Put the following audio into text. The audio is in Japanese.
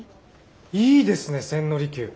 いいですね千利休。